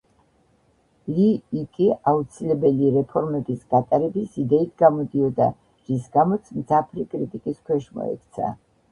ლი იკი აუცილებელი რეფორმების გატარების იდეით გამოდიოდა, რის გამოც მძაფრი კრიტიკის ქვეშ მოექცა.